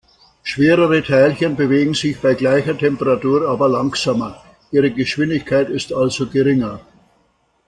Schwerere Teilchen bewegen sich bei gleicher Temperatur aber langsamer, ihre Geschwindigkeit ist also geringer.